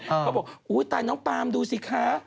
พอบอกตายน้องปาล์มดูสิค่ะ